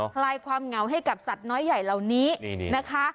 คลายความเหงาให้กับสัตว์น้อยใหญ่เหล่านี้นะคะ